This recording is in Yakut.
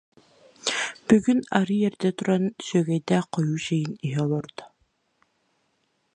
Бүгүн арыый эрдэ туран, сүөгэйдээх хойуу чэйин иһэ олордо